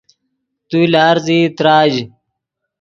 تو لارزیئی تراژ